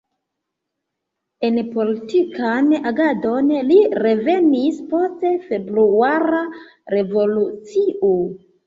En politikan agadon li revenis post Februara Revolucio.